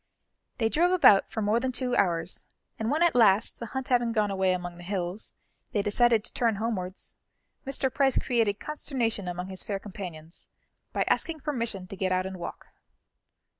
They drove about for more than two hours, and when at last, the hunt having gone away among the hills, they decided to turn homewards, Mr. Price created consternation among his fair companions by asking permission to get out and walk.